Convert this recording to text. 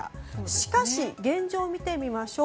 しかし、現状を見てみましょう。